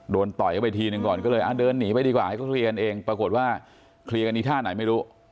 ต่อยเข้าไปทีนึงก่อนก็เลยเดินหนีไปดีกว่าให้เขาเคลียร์กันเองปรากฏว่าเคลียร์กันอีกท่าไหนไม่รู้